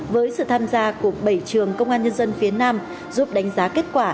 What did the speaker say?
với sự tham gia của bảy trường công an nhân dân phía nam giúp đánh giá kết quả